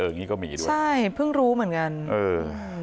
อย่างงี้ก็มีด้วยใช่เพิ่งรู้เหมือนกันเออ